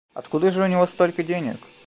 Откуда же у него столько денег?